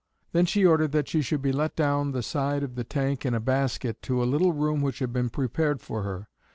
Then she ordered that she should be let down the side of the tank in a basket to a little room which had been prepared for her.